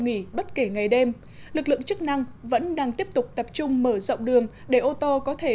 nghỉ bất kể ngày đêm lực lượng chức năng vẫn đang tiếp tục tập trung mở rộng đường để ô tô có thể